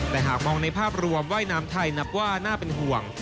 แต่หากมองในภาพรวมว่ายน้ำไทยนับว่าน่าเป็นห่วง